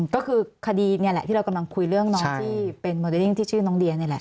ก็คือคดีนี่แหละที่เรากำลังคุยเรื่องน้องที่เป็นโมเดลิ้งที่ชื่อน้องเดียนี่แหละ